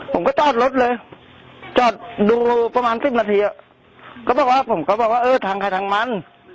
ผมก็จอดรถเลยจอดดูประมาณสิบนาทีก็บอกว่าผมก็บอกว่าเออทางใครทางมัน